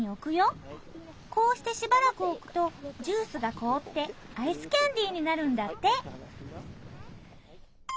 こうしてしばらく置くとジュースが凍ってアイスキャンデーになるんだって。